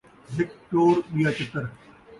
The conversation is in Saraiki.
ہک چور ، ٻیا چتر